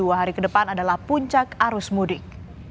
dua hari ke depan adalah puncak arus mudik